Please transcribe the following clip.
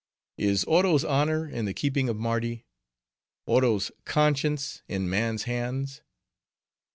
Is Oro's honor in the keeping of Mardi?— Oro's conscience in man's hands?